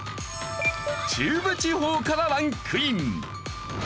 中部地方からランクイン。